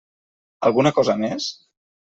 Alguna cosa més?